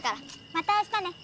またあしたね。